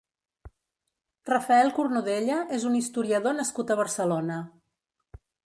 Rafael Cornudella és un historiador nascut a Barcelona.